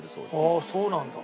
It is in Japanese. ああそうなんだ。